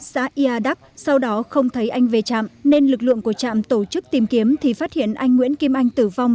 xã iadap sau đó không thấy anh về trạm nên lực lượng của trạm tổ chức tìm kiếm thì phát hiện anh nguyễn kim anh tử vong